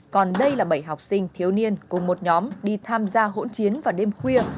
còn đây là bảy học sinh thiếu niên cùng một nhóm đi tham gia hỗn chiến vào đêm khuya